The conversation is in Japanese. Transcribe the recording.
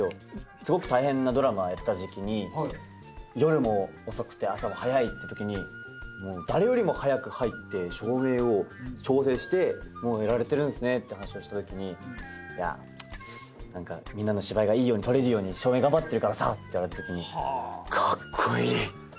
すごく大変なドラマやってた時期に夜も遅くて朝も早いってときに誰よりも早く入って照明を調整してもうやられてるんですねって話をしたときに「いやみんなの芝居がいいように撮れるように照明頑張ってるからさ」って言われたときにカッコイイ！